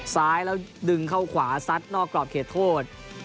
ซ้ายแล้วดึงเข้าขวาซัดนอกกรอบเขตโทษ